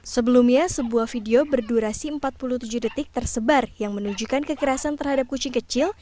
sebelumnya sebuah video berdurasi empat puluh tujuh detik tersebar yang menunjukkan kekerasan terhadap kucing kecil